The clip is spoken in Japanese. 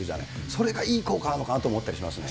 それがいい効果があるのかなと思ったりしますね。